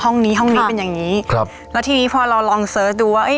ห้องนี้ห้องนี้เป็นอย่างงี้ครับแล้วทีนี้พอเราลองเสิร์ชดูว่าเอ้ย